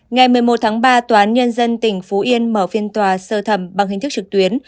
ngày một mươi một tháng ba tòa án nhân dân tỉnh phú yên mở phiên tòa sơ thẩm bằng hình thức trực tuyến